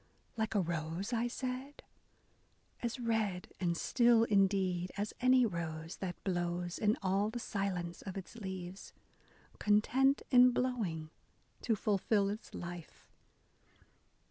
Like a rose, I said? As red and still indeed as any rose, That blows in all the silence of its leaves, Content, in blowing, to fulfil its life.